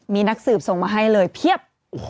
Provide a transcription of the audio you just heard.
มีนักสืบส่งมาให้เลยเพียบ